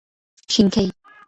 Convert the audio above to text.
شينکۍ